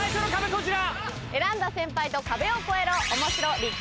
こちら！